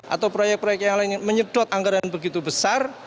atau proyek proyek yang lain menyedot anggaran begitu besar